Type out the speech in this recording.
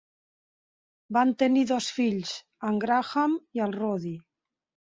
Van tenir dos fills, en Graham i el Roddy.